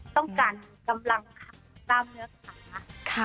ต้องการกำลังกล้ามเนื้อขา